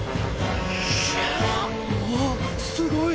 わあすごい！